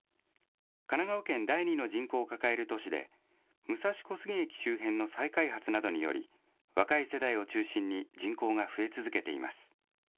神奈川県第２の人口を抱える都市で、武蔵小杉駅周辺の再開発などにより、若い世代を中心に人口が増え続けています。